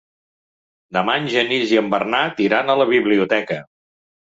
Demà en Genís i en Bernat iran a la biblioteca.